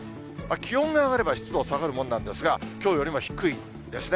気温が上がれば湿度は下がるものなんですが、きょうよりも低いですね。